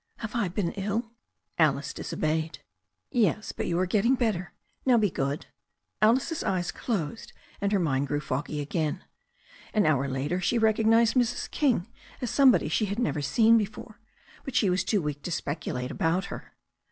"Have I been ill?" Alice disobeyed. "Yes, but you are getting better. Now be good." Alice's eyes closed and her mind grew foggy again. An hour later she recognized Mrs. King as somebody she had never seen before, but she was too weak to speculate about her.